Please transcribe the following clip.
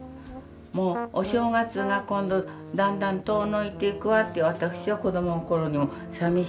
もうお正月が今度だんだん遠のいていくわって私は子ども心にさみしかったのよ。